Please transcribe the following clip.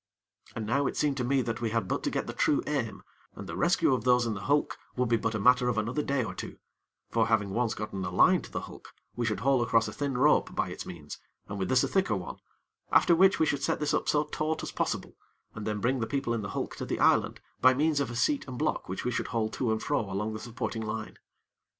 And now it seemed to me that we had but to get the true aim, and the rescue of those in the hulk would be but a matter of another day or two; for, having once gotten a line to the hulk, we should haul across a thin rope by its means, and with this a thicker one; after which we should set this up so taut as possible, and then bring the people in the hulk to the island by means of a seat and block which we should haul to and fro along the supporting line.